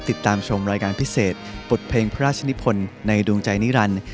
ติดตามชมรายการพิเศษบทเพลงพระราชนิพลในดวงใจนิรันดิ์